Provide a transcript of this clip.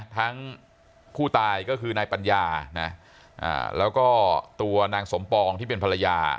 ทั้งผู้ตายก็คือนายปัญญานะแล้วก็ตัวนางสมปองที่เป็นภรรยา